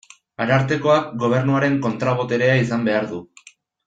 Arartekoak Gobernuaren kontra-boterea izan behar du.